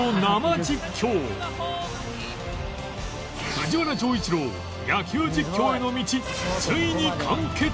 藤原丈一郎野球実況への道ついに完結！